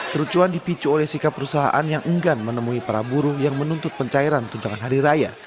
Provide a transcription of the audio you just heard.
kerucuan dipicu oleh sikap perusahaan yang enggan menemui para buruh yang menuntut pencairan tunjangan hari raya